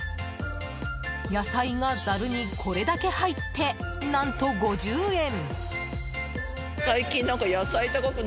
野菜がざるにこれだけ入って何と５０円！